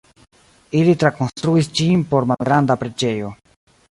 Ili trakonstruis ĝin por malgranda preĝejo.